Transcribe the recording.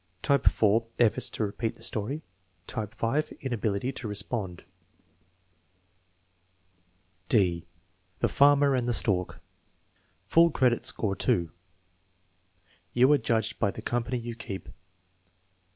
Type (4), efforts to repeat the story. Type (5), inability to respond. (d) The Fanner and the Stork Full credit; score 2. "You are judged by the company you keep."